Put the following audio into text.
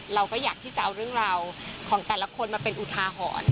เราก็อยากที่จะเอาเรื่องราวของแต่ละคนมาเป็นอุทาหรณ์